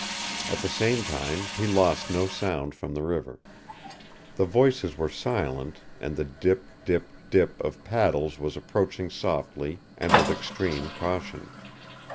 At the same time he lost no sound from the river. The voices were silent, and the dip, dip, dip of paddles was approaching softly and with extreme caution.